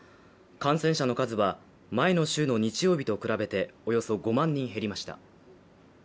感染者の数は前の週の日曜日と比べておよそ５万人減りました。